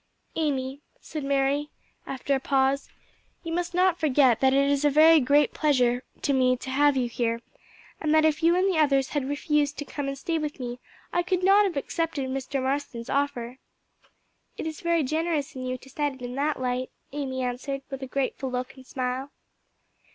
"Amy," Mary said after a pause, "you must not forget that it is a very great pleasure to me to have you here, and that if you and the others had refused to come and stay with me I could not have accepted Mr. Marston's offer." "It is very generous in you to set it in that light," Amy answered, with a grateful look and smile.